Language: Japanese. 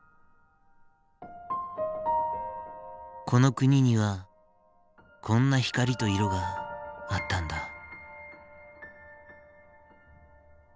この国にはこんな光と色があったんだ。